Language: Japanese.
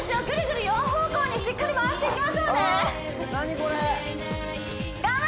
ぐるぐる４方向にしっかり回していきましょうねあ！